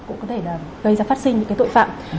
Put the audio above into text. cũng có thể là gây ra phát sinh những cái tội phạm